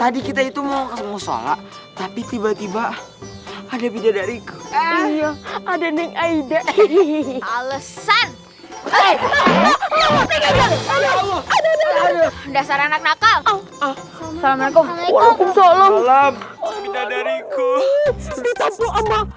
anik aida hehehe alasan dasar anak anak al salamu'alaikum salam salam